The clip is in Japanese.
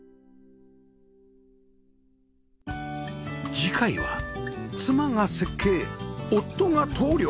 次回は妻が設計夫が棟梁